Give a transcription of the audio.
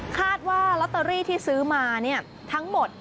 คาดว่าลอตเตอรี่ที่ซื้อมาทั้งหมด